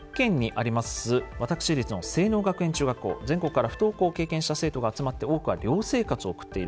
例えばこちら全国から不登校を経験した生徒が集まって多くは寮生活を送っている。